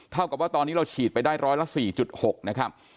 เท่ากับว่าตอนนี้เราฉีดไปได้ร้อยละ๔๖นะครับ